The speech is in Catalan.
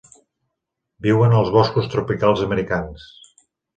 Viuen als boscos tropicals americans.